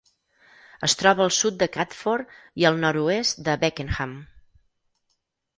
Es troba al sud de Catford i al nord-oest de Beckenham.